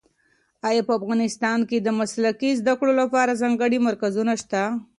ایا په افغانستان کې د مسلکي زده کړو لپاره ځانګړي مرکزونه شته؟